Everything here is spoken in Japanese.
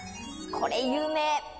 これ有名。